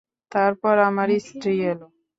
তারপর আমার স্ত্রী এল।